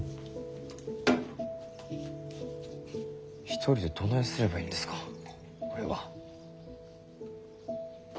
一人でどないすればええんですか俺は。